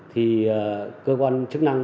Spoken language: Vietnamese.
thì cơ quan chức năng